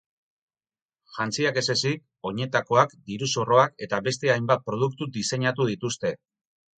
Jantziak ez ezik, oinetakoak, diru-zorroak eta beste hainbat produktu diseinatu dituzte.